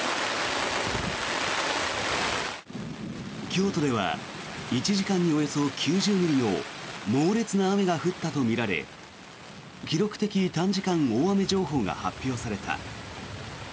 京都では１時間におよそ９０ミリの猛烈な雨が降ったとみられ記録的短時間大雨情報が発表された。